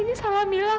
ini memang salah mila